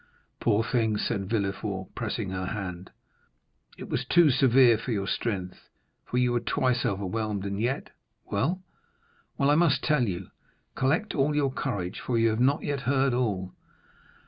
"Poor thing," said Villefort, pressing her hand, "it was too severe for your strength, for you were twice overwhelmed, and yet——" "Well?" "Well, I must tell you. Collect all your courage, for you have not yet heard all."